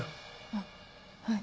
あっはい。